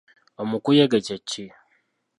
Omukuyege kye ki?